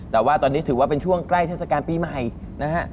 แต่ว่าตอนนี้ถือว่าเป็นช่วงใกล้เทศกาลปีใหม่นะฮะ